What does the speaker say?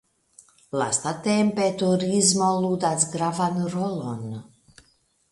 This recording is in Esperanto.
Lastatempe turismo ludas gravan rolon.